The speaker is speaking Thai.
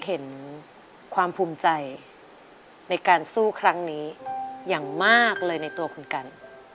เห็นความภูมิใจในการสู้ครั้งนี้อย่างมากเลยในตัวคุณกัน